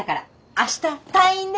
明日退院ね！